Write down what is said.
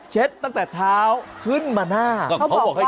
ใช่